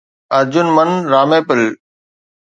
ارجن من را ميپل